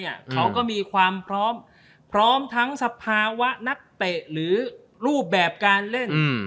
เขาก็มีความพร้อมพร้อมทั้งสภาวะนักเตะหรือรูปแบบการเล่น